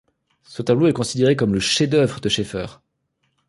Ce tableau est considéré comme le chef d'œuvre de Scheffer.